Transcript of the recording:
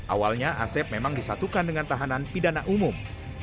awalnya asep memang disatukan dengan tahanan pidana umum